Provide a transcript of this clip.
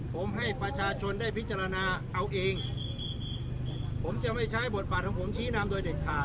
ผมให้ประชาชนได้พิจารณาเอาเองผมจะไม่ใช้บทบาทของผมชี้นำโดยเด็ดขาด